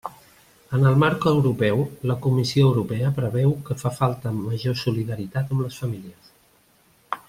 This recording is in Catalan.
En el marc europeu, la Comissió Europea preveu que fa falta major solidaritat amb les famílies.